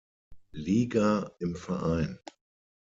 Liga im Verein.